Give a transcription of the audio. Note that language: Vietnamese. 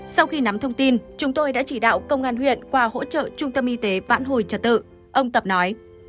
sau khi nắm thông tin chúng tôi đã chỉ đạo công an huyện qua hỗ trợ trung tâm y tế bản hồi trật tự ông tập nói